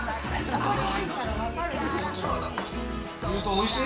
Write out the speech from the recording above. おいしい？